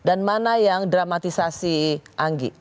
dan mana yang dramatisasi anggi